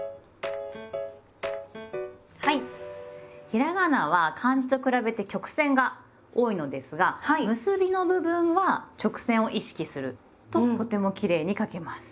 ひらがなは漢字と比べて曲線が多いのですが結びの部分は直線を意識するととてもきれいに書けます。